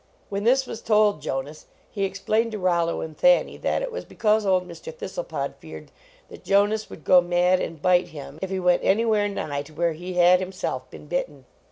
When this was told Jonas, he explained to Rollo and Thanny that it was because old Mr. This tlepod feared that Jonas would go mad and bite him if he went anywhere nigh to where he had himself been bitten.